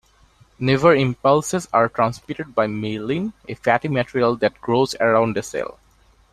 Nerve impulses are transmitted by myelin, a fatty material that grows around a cell.